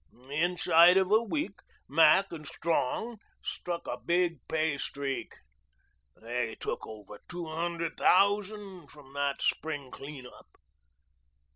Inside of a week Mac and Strong struck a big pay streak. They took over two hundred thousand from the spring clean up."